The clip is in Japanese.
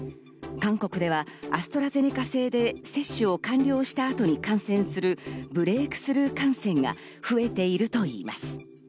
韓国ではアストラゼネカ製で接種を完了した後に感染するブレイクスルー感染が増えているといいます。